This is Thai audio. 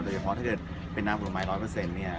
โดยเฉพาะถ้าเกิดเป็นน้ำผลไม้๑๐๐เนี่ย